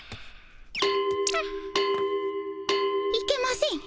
あっいけません。